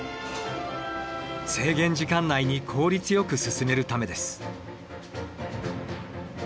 制限時間内に効率よく進めるためです。